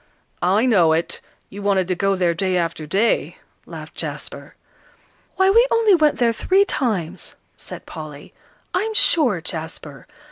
"I know it; you wanted to go there day after day," laughed Jasper. "Why, we only went there three times," said Polly, "I'm sure, Jasper.